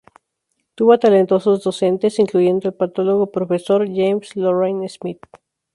Tuvo a talentosos docentes, incluyendo al patólogo, Profesor James Lorrain Smith.